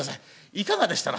いかがでしたな？」。